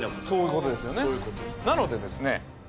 そういうことなのでですね